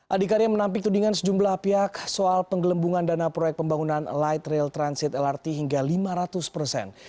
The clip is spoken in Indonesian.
adikarya menampik tudingan sejumlah pihak soal penggelembungan dana proyek pembangunan light rail transit lrt hingga lima ratus persen